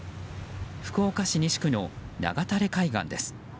福岡市西区の長垂海岸です。